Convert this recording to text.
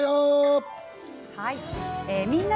「みんな！